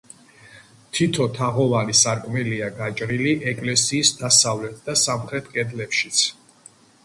თითო თაღოვანი სარკმელია გაჭრილი ეკლესიის დასავლეთ და სამხრეთ კედლებშიც.